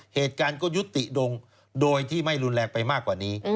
เหตุการณ์ก็ยุติดงโดยที่ไม่รุนแรงไปมากกว่านี้